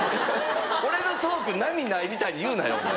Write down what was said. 俺のトーク波ないみたいに言うなよ。